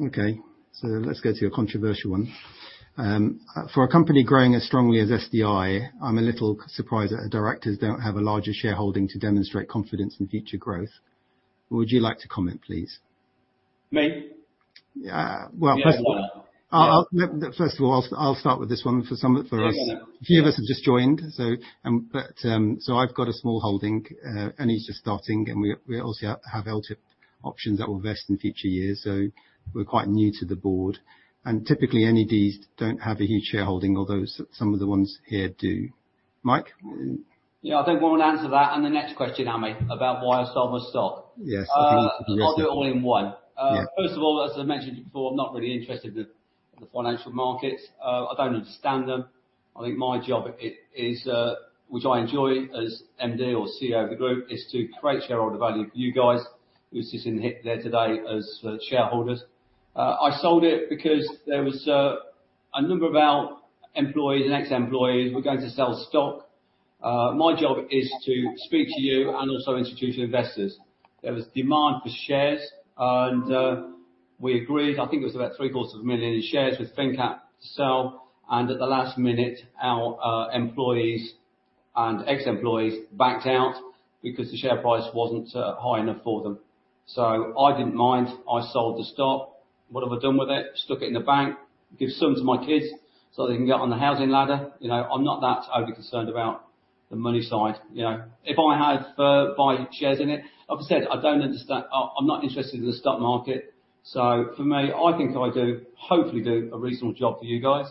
Okay. Let's go to a controversial one. For a company growing as strongly as SDI, I'm a little surprised that the directors don't have a larger shareholding to demonstrate confidence in future growth. Would you like to comment, please? Me? Well, first of all. Yeah. First of all, I'll start with this one for us. Yeah. A few of us have just joined, so, but, so I've got a small holding, and it's just starting, and we also have LTIP options that will vest in future years, so we're quite new to the board. Typically, NEDs don't have a huge shareholding, although some of the ones here do. Mike? Yeah, I think we will answer that and the next question, Amit, about why I sold my stock. Yes. If you want to do it. I'll do it all in one. Yeah. First of all, as I mentioned before, I'm not really interested in the financial markets. I don't understand them. I think my job is, which I enjoy as MD or CEO of the group, is to create shareholder value for you guys who's sitting here today as shareholders. I sold it because there was a number of our employees and ex-employees were going to sell stock. My job is to speak to you and also institutional investors. There was demand for shares, we agreed, I think it was about three-quarters of a million GBP in shares with finnCap to sell, at the last minute, our employees and ex-employees backed out because the share price wasn't high enough for them. I didn't mind. I sold the stock. What have I done with it? Stuck it in the bank. Give some to my kids, so they can get on the housing ladder. You know, I'm not that overly concerned about the money side, you know. If I had buy shares in it, like I said, I'm not interested in the stock market. For me, I think I do, hopefully do a reasonable job for you guys.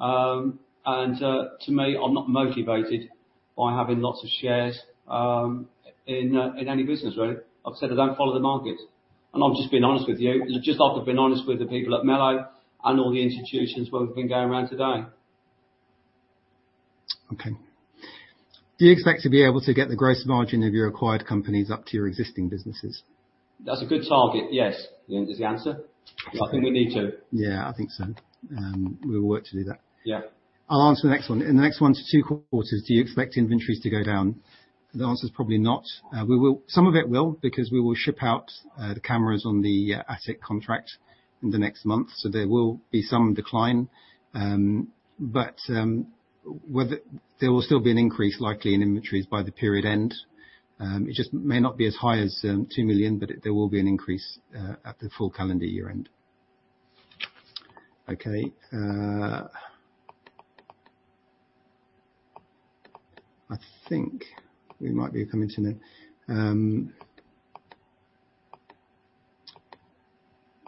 To me, I'm not motivated by having lots of shares in any business, really. I've said I don't follow the market. I'm just being honest with you. Just like I've been honest with the people at Mello and all the institutions where we've been going around today. Okay. Do you expect to be able to get the gross margin of your acquired companies up to your existing businesses? That's a good target, yes. Is the answer. Okay. I think we need to. Yeah, I think so. We will work to do that. Yeah. I'll answer the next one. In the next 1-2 quarters, do you expect inventories to go down? The answer is probably not. Some of it will, because we will ship out the cameras on the Atik contract in the next month. There will be some decline. Whether there will still be an increase likely in inventories by the period end. It just may not be as high as 2 million, but there will be an increase at the full calendar year-end. Okay. I think we might be coming to an.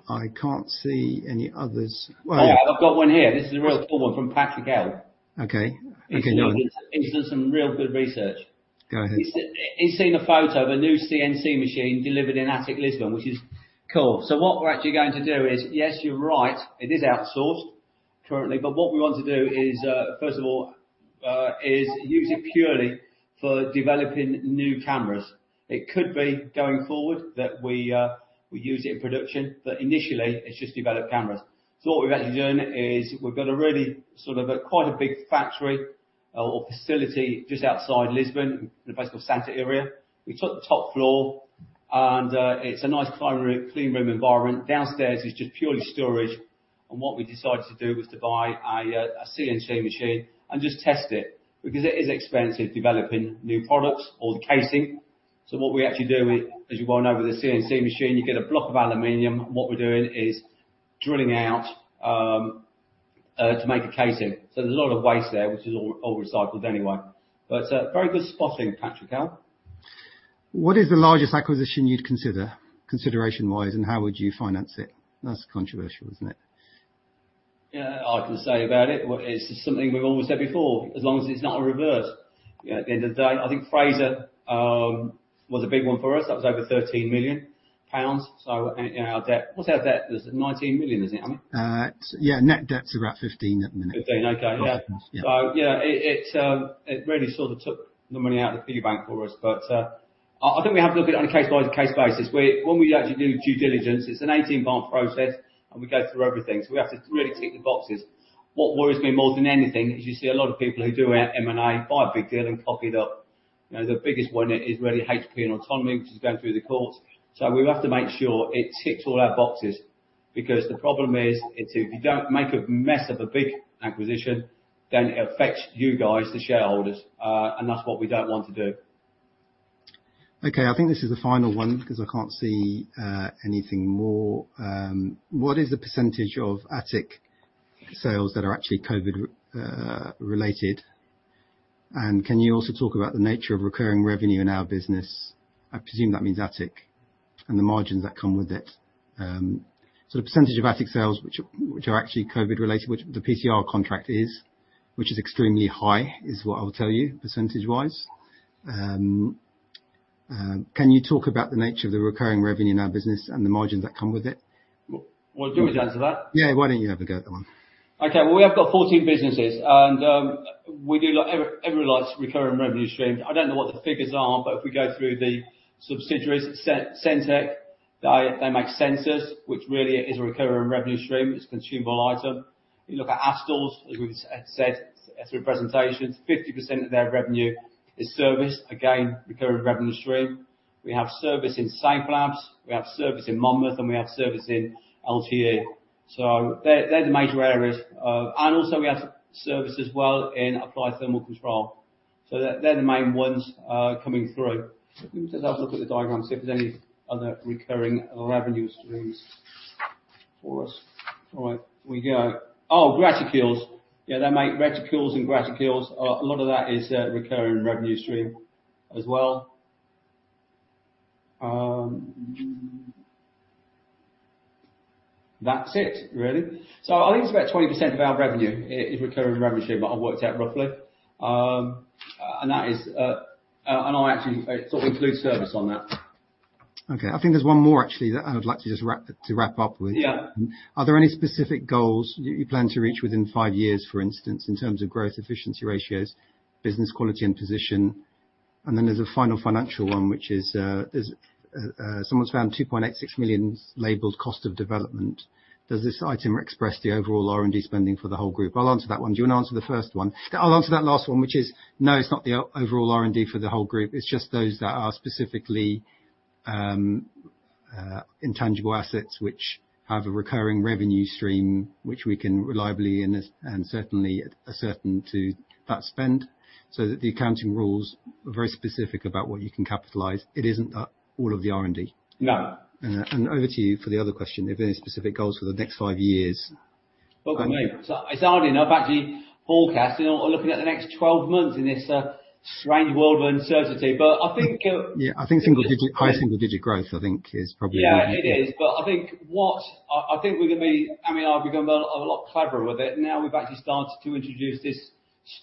I can't see any others. Well. Oh, yeah. I've got one here. This is a real cool one from Patrick Lynch. Okay. Okay, go on. He's done some real good research. Go ahead. He's seen a photo of a new CNC machine delivered in Atik Lisbon, which is cool. What we're actually going to do is, yes, you're right, it is outsourced currently, but what we want to do is first of all is use it purely for developing new cameras. It could be going forward that we use it in production, but initially, it's just developed cameras. What we've actually done is we've got a really sort of a quite a big factory or facility just outside Lisbon in a place called Santa Iria de Azoia. We took the top floor, and it's a nice clean room environment. Downstairs is just purely storage. What we decided to do was to buy a CNC machine and just test it because it is expensive developing new products or the casing. What we're actually doing, as you well know, with a CNC machine, you get a block of aluminum. What we're doing is drilling out to make a casing. There's a lot of waste there, which is all recycled anyway. Very good spotting, Patrick L. What is the largest acquisition you'd consider consideration-wise, and how would you finance it? That's controversial, isn't it? Yeah. I can say about it. Well, it's just something we've almost said before. As long as it's not a reverse. You know, at the end of the day, I think Fraser was a big one for us. That was over 13 million pounds. You know, our debt. What's our debt? Is it 19 million, is it, Amit? It's, yeah, net debt's about 15 at the minute. 15. Okay. Yeah. Approximately, yeah. Yeah, it really sort of took the money out of the piggy bank for us. I think we have to do it on a case-by-case basis. When we actually do due diligence, it's an 18-month process, and we go through everything. We have to really tick the boxes. What worries me more than anything is you see a lot of people who do our M&A, buy a big deal and cock it up. You know, the biggest one is really HP and Autonomy, which has gone through the courts. We have to make sure it ticks all our boxes because the problem is, if you don't make a mess of a big acquisition, then it affects you guys, the shareholders, and that's what we don't want to do. Okay. I think this is the final one because I can't see anything more. What is the percentage of Atik sales that are actually COVID related? Can you also talk about the nature of recurring revenue in our business? I presume that means Atik and the margins that come with it. The percentage of Atik sales which are actually COVID related, which the PCR contract is, which is extremely high, is what I'll tell you, percentage-wise. Can you talk about the nature of the recurring revenue in our business and the margins that come with it? Well, do you want me to answer that? Yeah. Why don't you have a go at that one? Okay. Well, we have got 14 businesses. We do like every likes recurring revenue stream. I don't know what the figures are. If we go through the subsidiaries, Sentek, they make sensors, which really is a recurring revenue stream. It's a consumable item. You look at Astles, as we've said through presentations, 50% of their revenue is service. Again, recurring revenue stream. We have service in Safelab, we have service in Monmouth, and we have service in LTE. They're the major areas. Also we have service as well in Applied Thermal Control. They're the main ones coming through. Let me just have a look at the diagram, see if there's any other recurring revenue streams for us. All right. We go. Oh, Graticules. Yeah, they make Graticules and Graticules. A lot of that is a recurring revenue stream as well. That's it, really. I think it's about 20% of our revenue is recurring revenue stream. I worked out roughly. That is, and I actually sort of include service on that. Okay. I think there's one more actually that I would like to just wrap up with. Yeah. Are there any specific goals you plan to reach within five years, for instance, in terms of growth efficiency ratios, business quality, and position? Then there's a final financial one, which is, someone's found 2.86 million labeled cost of development. Does this item express the overall R&D spending for the whole group? I'll answer that one. Do you want to answer the first one? I'll answer that last one, which is, no, it's not the overall R&D for the whole group. It's just those that are specifically intangible assets which have a recurring revenue stream, which we can reliably and certainly ascertain to that spend, so that the accounting rules are very specific about what you can capitalize. It isn't all of the R&D. No. Over to you for the other question. Are there any specific goals for the next 5 years? Well, for me, it's hard enough actually forecasting or looking at the next 12 months in this strange world of uncertainty. I think. Yeah, I think single digit, high single digit growth, I think is probably what you think. Yeah, it is. I think we're going to be. I mean, I've become a lot cleverer with it. Now we've actually started to introduce this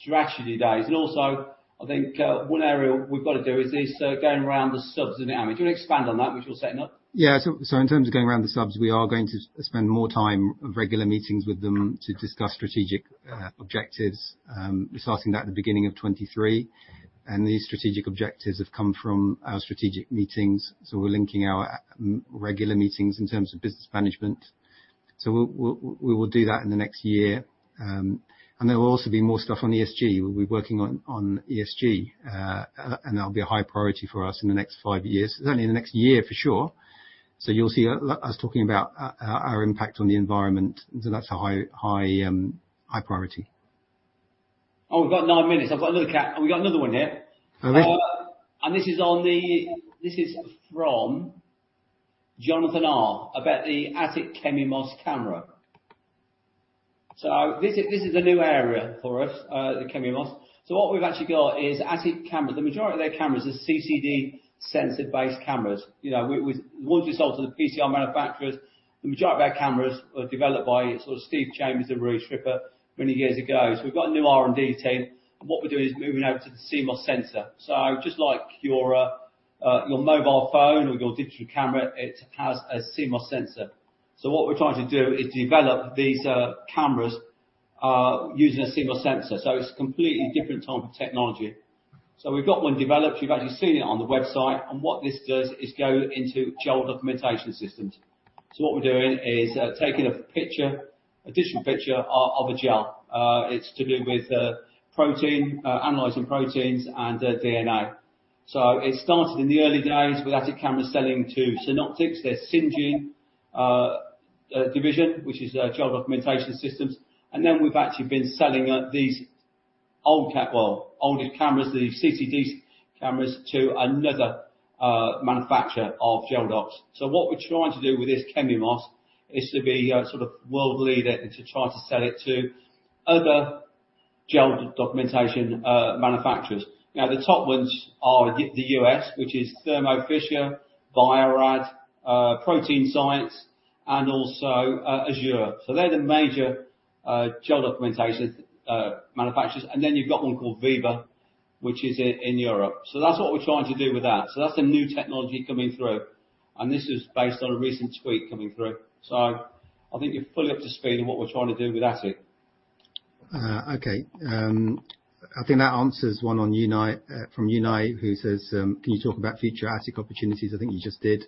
strategy days. Also, I think, one area we've got to do is this, going around the subs dynamic. Do you want to expand on that, which we're setting up? So in terms of going around the subs, we are going to spend more time of regular meetings with them to discuss strategic objectives, starting at the beginning of 2023. These strategic objectives have come from our strategic meetings. We're linking our regular meetings in terms of business management. We will do that in the next year. There will also be more stuff on ESG. We'll be working on ESG, and that'll be a high priority for us in the next 5 years. Certainly in the next year, for sure. You'll see us talking about our impact on the environment. That's a high priority. We've got 9 minutes. We got another one here. Okay. This is from Jonathan R. About the Atik ChemiMOS camera. This is a new area for us, the ChemiMOS. What we've actually got is Atik camera. The majority of their cameras are CCD sensor-based cameras. You know, Once you sell to the PCR manufacturers, the majority of our cameras were developed by sort of Steve Chambers and Rui Tripa many years ago. We've got a new R&D team, and what we're doing is moving out to the CMOS sensor. Just like your mobile phone or your digital camera, it has a CMOS sensor. What we're trying to do is develop these cameras using a CMOS sensor. It's a completely different type of technology. We've got one developed, you've actually seen it on the website. What this does is go into gel documentation systems. What we're doing is taking a picture, a digital picture of a gel. It's to do with protein, analyzing proteins and DNA. It started in the early days with Atik Cameras selling to Synoptics, their Syngene division, which is their gel documentation systems. Then we've actually been selling out these older cameras, the CCD cameras, to another manufacturer of gel docs. What we're trying to do with this ChemiMOS is to be a sort of world leader and to try to sell it to other gel documentation manufacturers. The top ones are the US, which is Thermo Fisher, Bio-Rad, Protein Science, and also Azure. They're the major gel documentation manufacturers. You've got one called Vilber, which is in Europe. That's what we're trying to do with that. That's the new technology coming through. This is based on a recent tweet coming through. I think you're fully up to speed on what we're trying to do with Atik. Okay. I think that answers one on Unite, from Unite, who says, "Can you talk about future Atik opportunities?" I think you just did.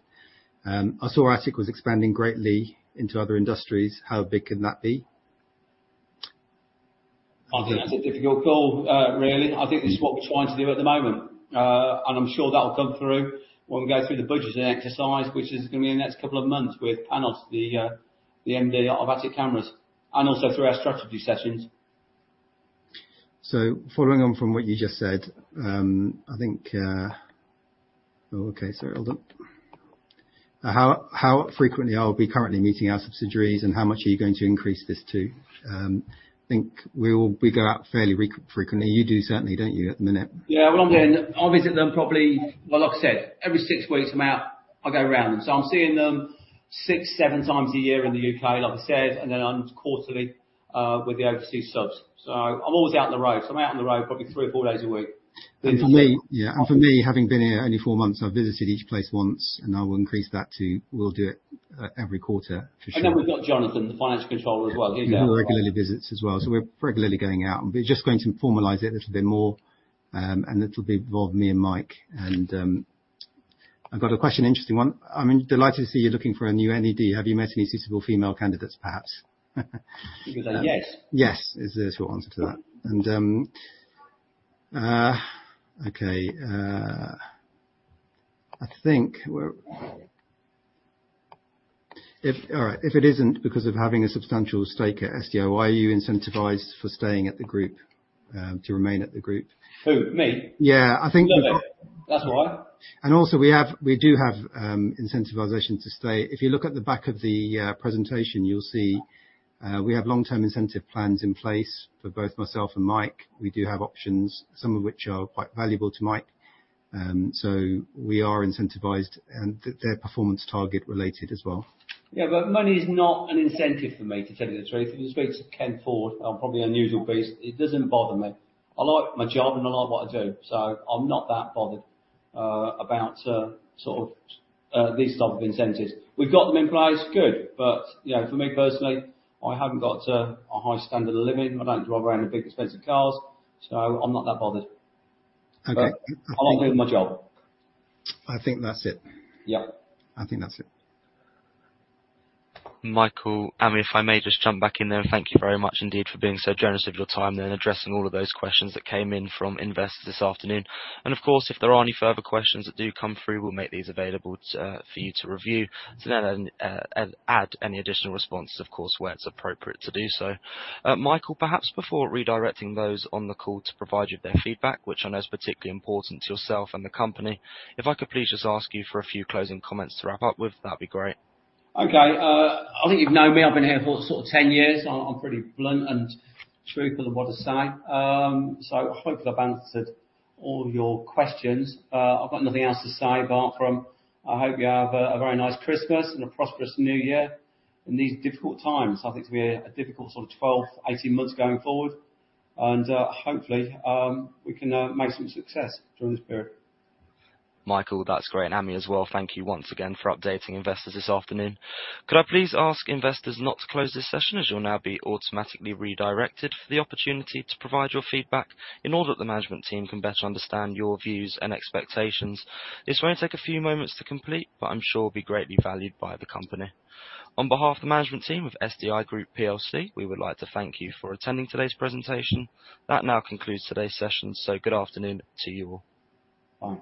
I saw Atik was expanding greatly into other industries. How big can that be? I think that's a difficult call, really. I think this is what we're trying to do at the moment. I'm sure that'll come through when we go through the budgeting exercise, which is gonna be in the next couple of months with Panos, the MD of Atik Cameras, and also through our strategy sessions. Following on from what you just said, I think. Okay. Sorry, hold on. How frequently are we currently meeting our subsidiaries, and how much are you going to increase this to? I think we go out fairly frequently. You do certainly, don't you, at the minute? Well, like I said, every six weeks, I'm out. I go round. I'm seeing them six, seven times a year in the UK, like I said, and then quarterly with the overseas subs. I'm always out on the road. I'm out on the road probably three or four days a week. For me, yeah. For me, having been here only four months, I've visited each place once, and I will increase that to... We'll do it every quarter for sure. we've got Jonathan, the financial controller, as well. He goes as well. He regularly visits as well. We're regularly going out. We're just going to formalize it a little bit more. It'll involve me and Mike. I've got a question, interesting one. I'm delighted to see you're looking for a new NED. Have you met any suitable female candidates perhaps? Yes. Yes, is the short answer to that. Okay. All right. If it isn't because of having a substantial stake at SDI, why are you incentivized for staying at the group, to remain at the group? Who, me? Yeah. I think. That's why. We do have incentivization to stay. If you look at the back of the presentation, you'll see, we have long-term incentive plans in place for both myself and Mike. We do have options, some of which are quite valuable to Mike. We are incentivized and they're performance target related as well. Money is not an incentive for me, to tell you the truth. If you speak to Ken Forde, I'm probably unusual beast. It doesn't bother me. I like my job, and I like what I do, so I'm not that bothered about sort of these type of incentives. We've got them in place, good. You know, for me personally, I haven't got a high standard of living. I don't drive around in big expensive cars, so I'm not that bothered. Okay. I love doing my job. I think that's it. Yeah. I think that's it. Michael, Amit, if I may just jump back in there. Thank you very much indeed for being so generous with your time and addressing all of those questions that came in from investors this afternoon. Of course, if there are any further questions that do come through, we'll make these available to for you to review. Add any additional responses, of course, where it's appropriate to do so. Michael, perhaps before redirecting those on the call to provide you their feedback, which I know is particularly important to yourself and the company, if I could please just ask you for a few closing comments to wrap up with, that'd be great. Okay. I think you've known me. I've been here for sort of 10 years. I'm pretty blunt and truthful in what to say. Hopefully, I've answered all your questions. I've got nothing else to say apart from I hope you have a very nice Christmas and a prosperous New Year in these difficult times. I think it's gonna be a difficult sort of 12, 18 months going forward. Hopefully, we can make some success during this period. Michael, that's great. Amit as well, thank you once again for updating investors this afternoon. Could I please ask investors not to close this session as you'll now be automatically redirected for the opportunity to provide your feedback in order that the management team can better understand your views and expectations. This may take a few moments to complete, but I'm sure be greatly valued by the company. On behalf of the management team of SDI Group plc, we would like to thank you for attending today's presentation. That now concludes today's session, so good afternoon to you all. Bye.